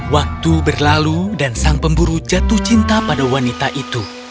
waktu berlalu dan sang pemburu jatuh cinta pada wanita itu